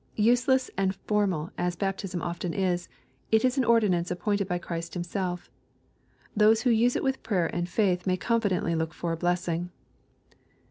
Useless and formal as baptism often is, it is an ordinance appointed by Christ Himselfi Those who use it with prayer and faith may confidently look for a blessing.